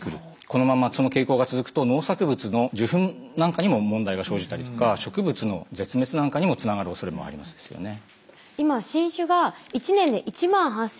このままその傾向が続くと農作物の受粉なんかにも問題が生じたりとか植物の絶滅なんかにもつながるおそれもありますよね。